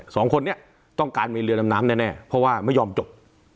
สองคนนี้ต้องการมีเรือดำน้ำแน่เพราะว่าไม่ยอมจบ